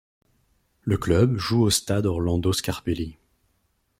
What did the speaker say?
Le club joue au stade Orlando Scarpelli.